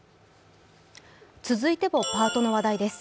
続いてもパートの話題です